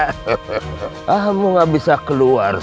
kamu tidak bisa keluar